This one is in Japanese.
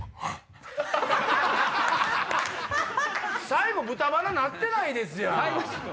最後豚鼻なってないですやん。